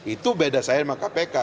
itu beda saya sama kpk